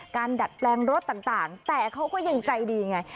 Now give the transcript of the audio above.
ดัดแปลงรถต่างแต่เขาก็ยังใจดีไง